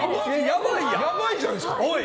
やばいじゃないですか。